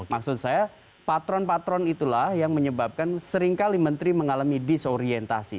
maksud saya patron patron itulah yang menyebabkan seringkali menteri mengalami disorientasi